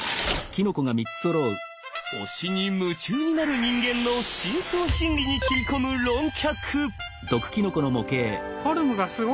推しに夢中になる人間の深層心理に切り込む論客。